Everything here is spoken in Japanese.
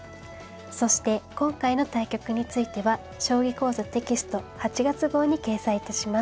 そして今回の対局については「将棋講座」テキスト８月号に掲載致します。